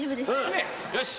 よし。